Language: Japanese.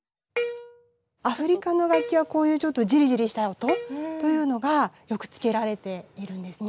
アフリカの楽器はこういうちょっとジリジリした音というのがよくつけられているんですね。